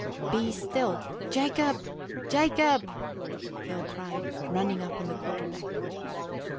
"Be still! Jacob, Jacob!" Phil cried, running up on the quarter deck.